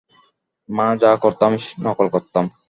মা যা করত, আমি নকল করতাম।